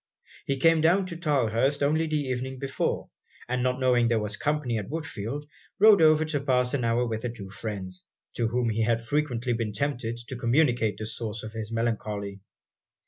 He came down to Tylehurst only the evening before; and not knowing there was company at Woodfield, rode over to pass an hour with the two friends, to whom he had frequently been tempted to communicate the source of his melancholy.